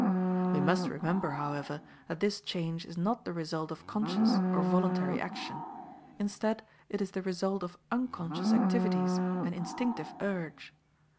We must remember, however, that this change is not the result of conscious or voluntary action; instead it is the result of unconscious activities and instinctive urge.